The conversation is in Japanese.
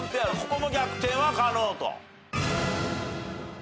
ここも逆転は可能と。